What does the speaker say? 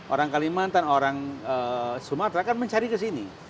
orang kalimantan orang sumatera kan mencari ke sini